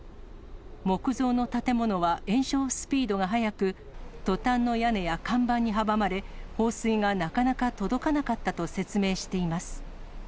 木造の建物は延焼スピードが速く、トタンの屋根や看板に阻まれ、放水がなかなか届かなかったと説明しています。